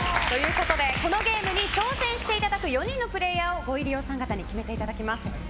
このゲームに挑戦していただく４人のプレーヤーをご入り用さん方に決めていただきます。